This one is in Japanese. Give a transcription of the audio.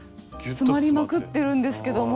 詰まりまくってるんですけども。